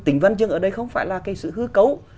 tỉnh văn chương ở đây không phải là cái sự hư cấu